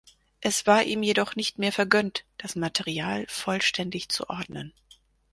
Es war ihm jedoch nicht mehr vergönnt, das Material vollständig zu ordnen.